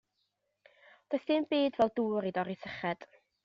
Does dim byd fel dŵr i dorri syched.